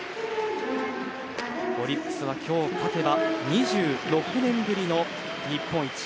オリックスは今日勝てば２６年ぶりの日本一。